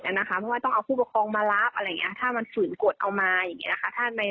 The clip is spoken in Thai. เพราะว่าต้องเอาผู้ประคองมารับถ้ามันฝืนกฎเอามาอย่างนี้